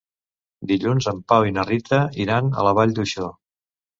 Dilluns en Pau i na Rita iran a la Vall d'Uixó.